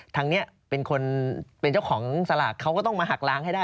ทางนี้เป็นคนเป็นเจ้าของสลากเขาก็ต้องมาหักล้างให้ได้